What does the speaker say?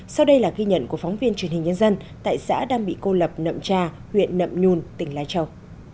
sau đây là ghi nhận của phóng viên truyền hình nhân dân tại xã đang bị cô lập nậm trà huyện nậm nhùn tỉnh lai châu